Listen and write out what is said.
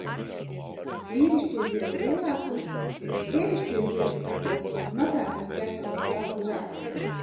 Vīrišķie ziedi lielākos, bet sievišķie ziedi sakopoti mazākos ķekaros lapu žāklēs.